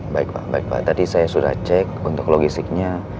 baik pak baik pak tadi saya sudah cek untuk logistiknya